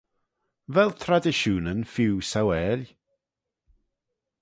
Vel tradishoonyn feeu sauail?